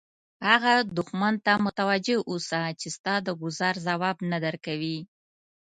هغه دښمن ته متوجه اوسه چې ستا د ګوزار ځواب نه درکوي.